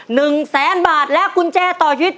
หนึ่งแสนบาทและกุญแจต่อชีวิต